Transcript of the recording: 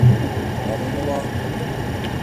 — Ом умыло.